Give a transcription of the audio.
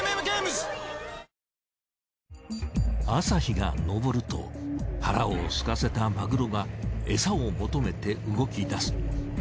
朝日が昇ると腹を空かせたマグロがエサを求めて動き出す。